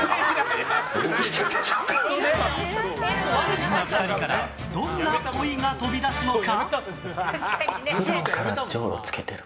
そんな２人から、どんなっぽいが飛び出すのか。